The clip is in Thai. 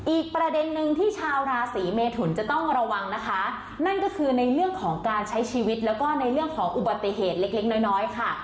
อีกประเด็นนึงที่ชาวราศีเมทุนจะต้องระวังนะคะนั่นก็คือในเรื่องของการใช้ชีวิตแล้วก็ในเรื่องของอุบัติเหตุเล็กเล็กน้อยน้อยค่ะ